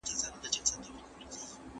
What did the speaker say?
که وخت وي، کور پاکوم.